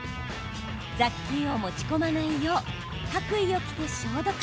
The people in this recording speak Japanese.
雑菌を持ち込まないよう白衣を着て消毒。